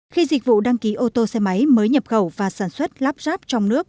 khi dịch vụ đăng ký ô tô xe máy mới nhập khẩu và sản xuất lắp ráp trong nước